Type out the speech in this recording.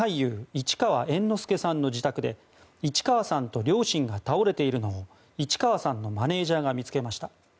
市川猿之助さんの自宅で市川さんと両親が倒れているのを市川さんのマネジャーが見つけました。